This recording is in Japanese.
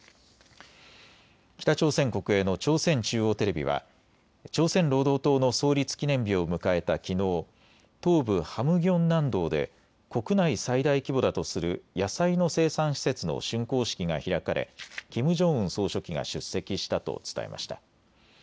北朝鮮国営の朝鮮中央テレビは朝鮮労働党の創立記念日を迎えたきのう、東部ハムギョン南道で国内最大規模だとする野菜の生産施設のしゅんこう式が開かれキム・ジョンウン総書記が出席したと伝えました。